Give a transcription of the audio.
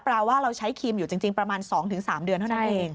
ว่าเราใช้ครีมอยู่จริงประมาณ๒๓เดือนเท่านั้นเอง